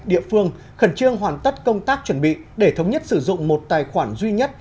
địa phương khẩn trương hoàn tất công tác chuẩn bị để thống nhất sử dụng một tài khoản duy nhất